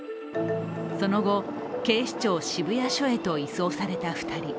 その後、警視庁渋谷署へと移送された２人。